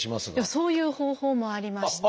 そういう方法もありまして。